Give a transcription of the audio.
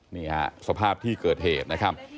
นี่ฮะสภาพที่เกิดเหตุนะครับ